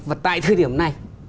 và tại thời điểm này